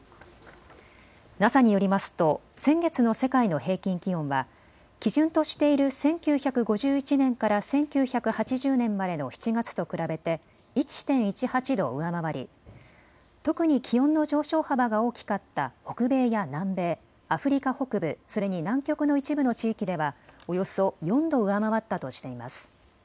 ＮＡＳＡによりますと先月の世界の平均気温は基準としている１９５１年から１９８０年までの７月と比べて１．１８度上回り、特に気温の上昇幅が大きかった北米や南米、アフリカ北部それに南極の一部の地域ではおよそ４度上回ったとしています。